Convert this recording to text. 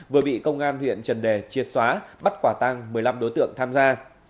vừa bị công an huyện trần đề triệt xóa bắt quả tăng một mươi năm đối tượng tham gia